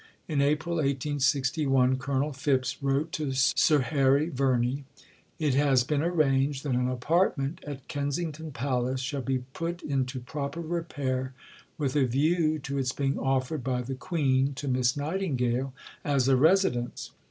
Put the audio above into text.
In April 1861 Colonel Phipps wrote to Sir Harry Verney: "It has been arranged that an 'apartment' at Kensington Palace shall be put into proper repair with a view to its being offered by the Queen to Miss Nightingale as a residence.